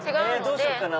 どうしようかな？